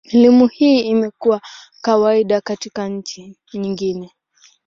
Elimu hii imekuwa kawaida katika nchi nyingi.